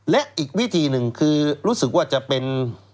และอีกวิธีหนึ่งคือรู้สึกว่าจะเป็น